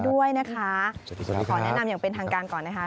ด้วยนะคะขอแนะนำอย่างเป็นทางการก่อนนะคะ